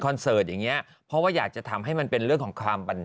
เสิร์ตอย่างเงี้ยเพราะว่าอยากจะทำให้มันเป็นเรื่องของความบัน